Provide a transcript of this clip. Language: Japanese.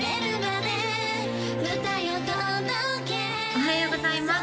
おはようございます